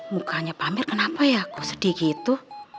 mukanya pak amir kenapa ya kok sedih gitu